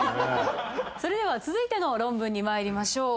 それでは続いての論文に参りましょう。